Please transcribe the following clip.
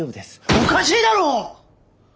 おかしいだろ！